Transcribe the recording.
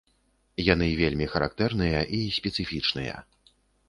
Яны вельмі характэрныя і спецыфічныя.